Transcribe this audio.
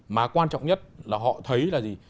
mà quan trọng nhất là họ thấy là gì